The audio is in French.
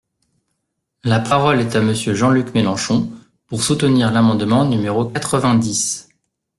La parole est à Monsieur Jean-Luc Mélenchon, pour soutenir l’amendement numéro quatre-vingt-dix.